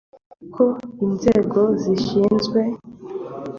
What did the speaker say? hemejwe ko inzego zishinzwe